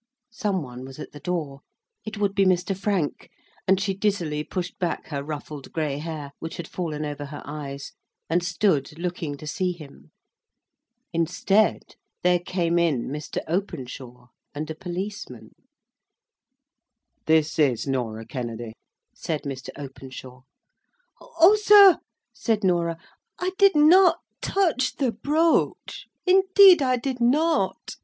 Some one was at the door. It would be Mr. Frank; and she dizzily pushed back her ruffled grey hair, which had fallen over her eyes, and stood looking to see him. Instead, there came in Mr. Openshaw and a policeman. "This is Norah Kennedy," said Mr. Openshaw. "O, sir," said Norah, "I did not touch the brooch; indeed I did not.